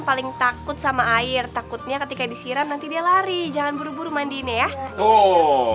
paling takut sama air takutnya ketika disiram nanti dia lari jangan buru buru mandinya ya oh